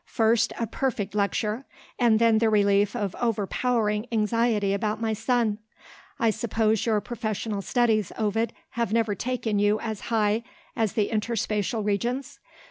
"First a perfect lecture and then the relief of overpowering anxiety about my son. I suppose your professional studies, Ovid, have never taken you as high as the Interspacial Regions?